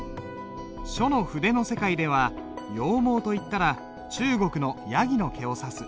書の筆の世界では羊毛といったら中国のヤギの毛を指す。